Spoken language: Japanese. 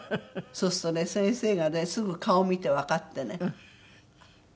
そうするとね先生がねすぐ顔見てわかってね。